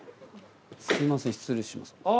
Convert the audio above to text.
すいません失礼します。